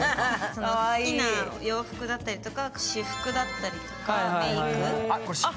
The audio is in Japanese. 好きな洋服だったり、私服だったり、メイク。